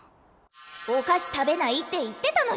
お菓子食べないって言ってたのに。